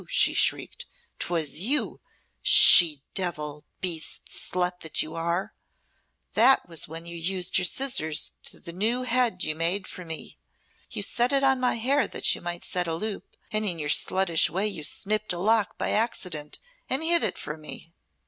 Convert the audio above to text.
she shrieked. "'Twas you she devil beast slut that you are! 'Twas when you used your scissors to the new head you made for me. You set it on my hair that you might set a loop and in your sluttish way you snipped a lock by accident and hid it from me."